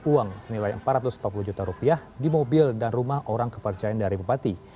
uang senilai empat ratus empat puluh juta rupiah di mobil dan rumah orang kepercayaan dari bupati